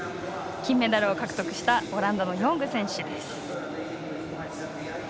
金メダルを獲得したオランダのヨング選手。